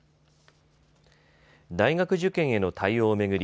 大学受験への対応を巡り